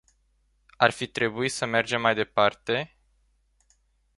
Ar fi trebuit să mergem mai departe?